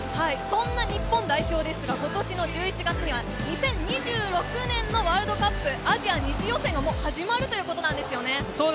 そんな日本代表ですが、今年１１月には２０２６年のワールドカップアジア二次予選がもう始まるということなんですよね。